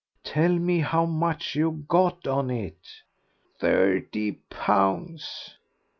"Tell me how much you got on it." "Thirty pounds."